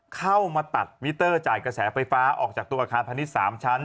เข้ามาตัดมิเตอร์จ่ายกระแสไฟฟ้าออกจากตัวอาคารพาณิชย์๓ชั้น